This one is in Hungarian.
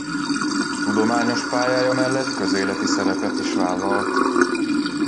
Tudományos pályája mellett közéleti szerepet is vállalt.